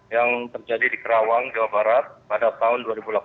yang terjadi di kerawang jawa barat pada tahun dua ribu delapan belas